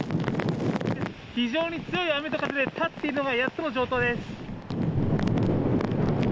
非常に強い雨と風で、立っているのがやっとの状態です。